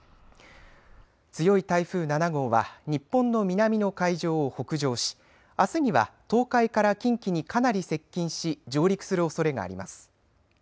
強い台風７号は、日本の南の海上を北上し、あすには東海から近畿にかなり接近し上陸するおそれがあります。